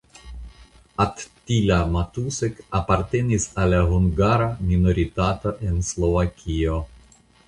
Attila Matusek apartenis al la hungara minoritato en Slovakio.